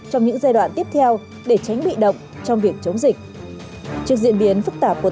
trong những giai đoạn tiếp theo để tránh bị động trong việc chống dịch trước diễn biến phức tạp của